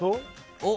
おっ？